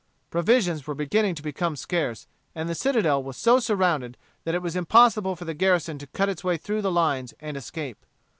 Provisions were beginning to become scarce, and the citadel was so surrounded that it was impossible for the garrison to cut its way through the lines and escape.